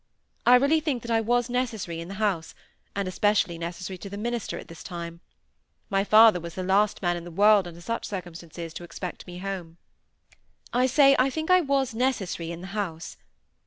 I really think that I was necessary in the house, and especially necessary to the minister at this time; my father was the last man in the world, under such circumstances, to expect me home. I say, I think I was necessary in the house.